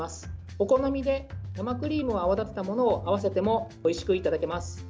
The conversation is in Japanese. お好みで、生クリームを泡立てたものを合わせてもおいしくいただけます。